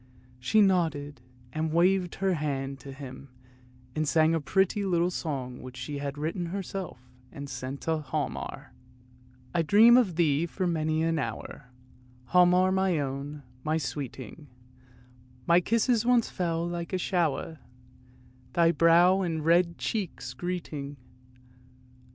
She nodded and waved her hand to him, and sang a pretty little song which she had written herself and sent to Hialmar: " I dream of thee for many an hour, Hialmar, my own, my sweeting; My kisses once fell like a shower, Thy brow and red cheeks greeting.